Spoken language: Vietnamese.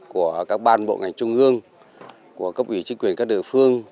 của các ban bộ ngành trung ương của cấp ủy chính quyền các địa phương